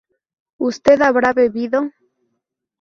usted habrá bebido